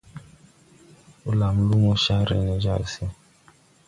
Blam luumo, car re ne jàr se.